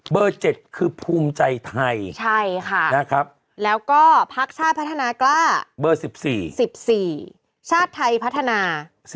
เบอร์๗คือภูมิใจไทยนะครับแล้วก็พักชาติพัฒนากล้า๑๔ชาติไทยพัฒนา๑๘